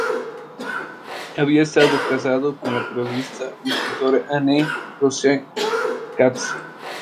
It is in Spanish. Había estado casado con la periodista y escritora Anne Rose Katz.